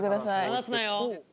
離すなよ！